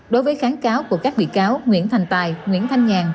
đối với kháng cáo của các bị cáo nguyễn thành tài nguyễn thanh nhàn